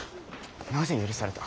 なぜ許された？